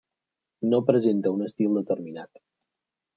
No presenta un estil determinat.